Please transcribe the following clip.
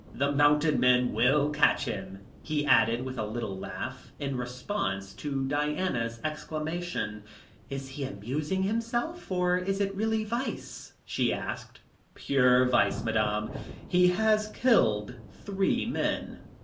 "The mounted men will catch him," he added with a little laugh, in response to Diana's exclamation. "Is he amusing himself, or is it really vice?" she asked. "Pure vice, Madame. He has killed three men."